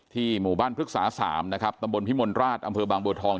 หมู่บ้านพฤกษา๓นะครับตำบลพิมลราชอำเภอบางบัวทอง